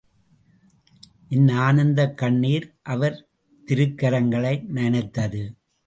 என் ஆனந்தக் கண்ணீர் அவர் திருக்கரங்களை நனைத்தது.